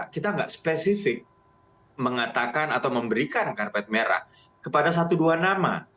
kita tidak spesifik mengatakan atau memberikan karpet merah kepada satu dua nama